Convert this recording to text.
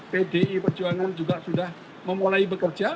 pdi perjuangan juga sudah memulai bekerja